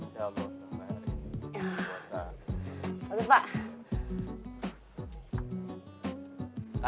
ya puasa lah